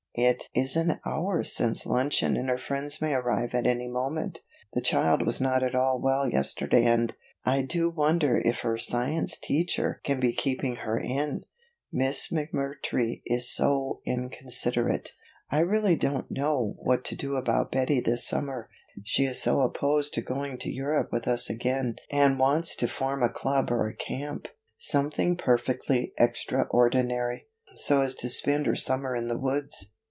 "It is an hour since luncheon and her friends may arrive at any moment. The child was not at all well yesterday and, I do wonder if her science teacher can be keeping her in, Miss McMurtry is so inconsiderate. I really don't know what to do about Betty this summer, she is so opposed to going to Europe with us again and wants to form a club or a camp, something perfectly extraordinary, so as to spend her summer in the woods.